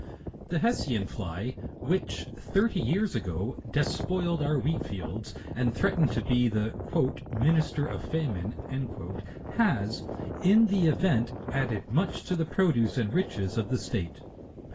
The Hessian fly, which, thirty years ago, despoiled our wheat fields, and threatened to be the u minister of famine" has, in the event, added much to the produce and riches of the state.